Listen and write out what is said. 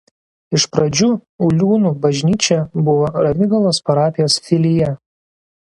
Iš pradžių Uliūnų bažnyčia buvo Ramygalos parapijos filija.